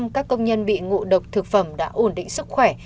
các công nhân bị ngộ độc thực phẩm đã ổn định sức khỏe